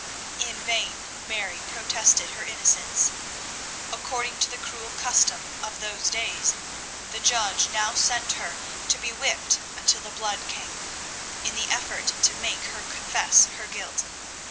In vain Mary protested her innocence. According to the cruel custom of those days, the judge now sent her to be whipped until the blood came, in the effort to make her confess her guilt.